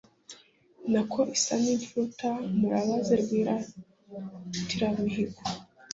ntako isa ni imfuruta murabaze rwiratiramihigo,